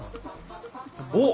おっ！